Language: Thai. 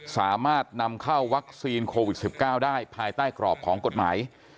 สามารถนำเข้าวัคซีนโควิด๑๙ได้ภายใต้กรอบของกฎหมาย